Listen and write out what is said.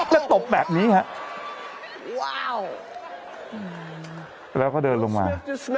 แล้วตบแบบนี้ฮะแล้วก็เดินลงมา